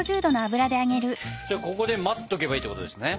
じゃあここで待っとけばいいってことですね。